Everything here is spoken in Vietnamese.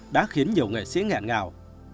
đã khiến nhiều nghệ sĩ nghẹn ngào